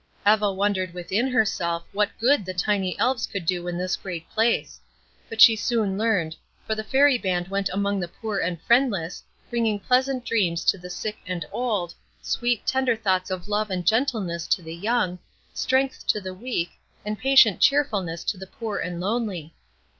Eva wondered within herself what good the tiny Elves could do in this great place; but she soon learned, for the Fairy band went among the poor and friendless, bringing pleasant dreams to the sick and old, sweet, tender thoughts of love and gentleness to the young, strength to the weak, and patient cheerfulness to the poor and lonely.